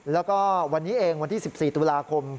แล้วก็วันนี้เองวันที่๑๔ตุลาคม